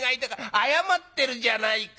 謝ってるじゃないか。